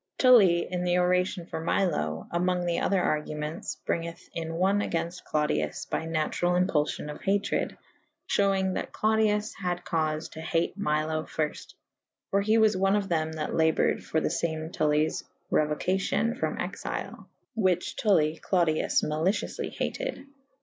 Tully in the oracion for Milo / amonge other argume«tes bryng eth in one againft Clodius by naturall impulfion of hatred / Ihew ynge that Clodius had caufe to hate Milo fyrft / for he was one of them that laboured for the fame Tullyes reuocacyon from exyle / whiche Tulli Clodius malicioufly hated.